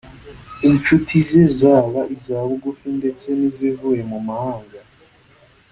Inshuti ze zaba iza bugufi ndetse n’izivuye mu mahanga